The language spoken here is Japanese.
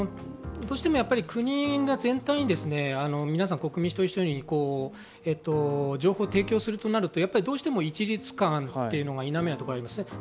どうしても国が全体に皆さん国民一人一人に情報を提供するとなるとどうしても一律感というのが否めないところがありますね。